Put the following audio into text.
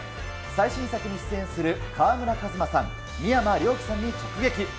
最新作に出演する川村壱馬さん、三山凌輝さんに直撃。